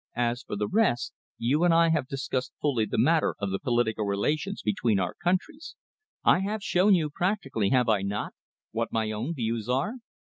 "As for the rest, you and I have discussed fully the matter of the political relations between our countries. I have shown you practically have I not, what my own views are?"